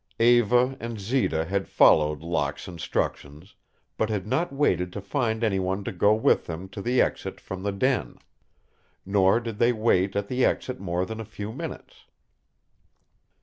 Eva and Zita had followed Locke's instructions, but had not waited to find any one to go with them to the exit from the den. Nor did they wait at the exit more than a few minutes.